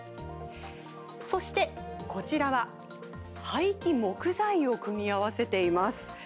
そして、こちらは廃棄木材を組み合わせています。